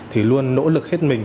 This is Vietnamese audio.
thì luôn nỗ lực hết mình